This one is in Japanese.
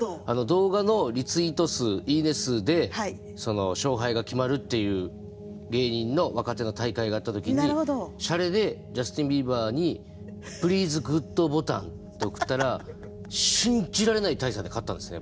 動画のリツイート数いいね数で勝敗が決まるっていう芸人の若手の大会があった時にシャレでジャスティンビーバーに「プリーズグッドボタン」って送ったら信じられない大差で勝ったんですね